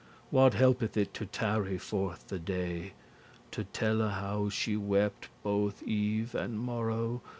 What helpeth it to tarry forth the day, To telle how she wept both eve and morrow?